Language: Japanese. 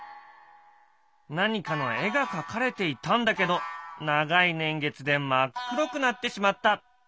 何かの絵が描かれていたんだけど長い年月で真っ黒くなってしまった。